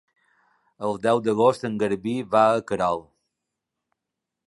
El deu d'agost en Garbí va a Querol.